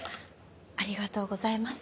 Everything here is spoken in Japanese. ありがとうございます。